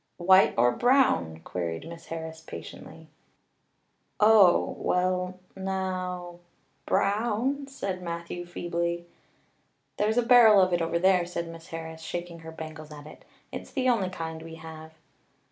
"White or brown?" queried Miss Harris patiently. "Oh well now brown," said Matthew feebly. "There's a barrel of it over there," said Miss Harris, shaking her bangles at it. "It's the only kind we have."